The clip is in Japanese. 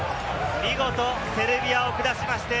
見事セルビアを下しました。